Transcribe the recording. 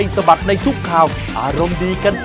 สวัสดีค่ะ